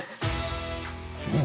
うん！